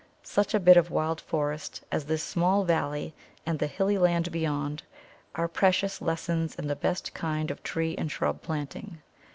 Such a bit of wild forest as this small valley and the hilly land beyond are precious lessons in the best kind of tree and shrub planting.